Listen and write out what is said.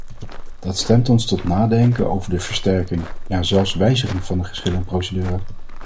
Dat stemt ons tot nadenken over de versterking, ja zelfs wijziging van de geschillenprocedure.